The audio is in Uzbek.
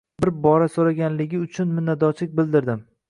Bir bora so‘raganligi uchun minnatdorchilik bildirdim.